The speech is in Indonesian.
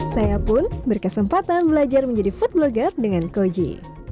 saya pun berkesempatan belajar menjadi food blogger dengan coji